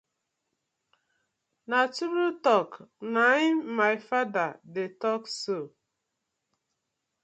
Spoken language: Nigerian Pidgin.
Na true talk na im my father de talk so.